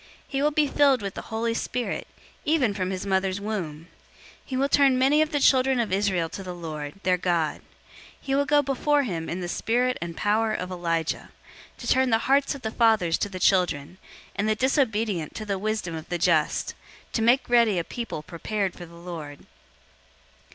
He will be filled with the Holy Spirit, even from his mother's womb. 001:016 He will turn many of the children of Israel to the Lord, their God. 001:017 He will go before him in the spirit and power of Elijah, 'to turn the hearts of the fathers to the children,' and the disobedient to the wisdom of the just; to make ready a people prepared for the Lord."